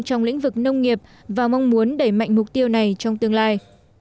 trong lĩnh vực nông nghiệp và mong muốn đẩy mạnh mục tiêu này trong tương lai